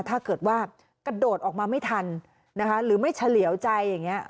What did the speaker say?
ถ้าเกิดว่ากระโดดออกมาไม่ทันนะคะหรือไม่เฉลี่ยวใจอย่างนี้